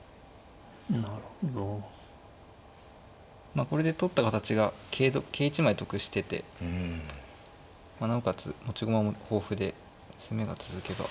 まあこれで取った形が桂１枚得しててなおかつ持ち駒も豊富で攻めが続けば。